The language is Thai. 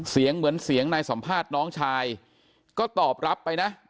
เสียงเหมือนเสียงนายสัมภาษณ์น้องชายก็ตอบรับไปนะ